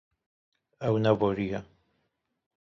Ew neboriye.